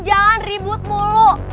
jangan ribut mulu